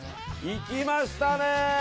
いきましたね！